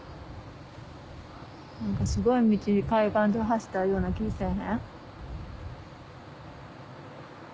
すごい道海岸沿い走ったような気せぇへん？